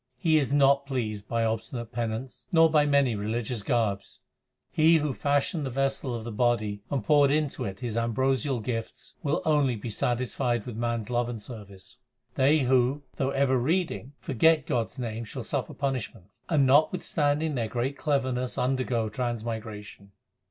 He is not pleased by obstinate penance nor by many religious garbs. He who fashioned the vessel of the body and poured into it His ambrosial gifts, Will only be satisfied with man s love and service. They who, though ever reading, forget God s name shall suffer punishment, And notwithstanding their great cleverness undergo trans migration.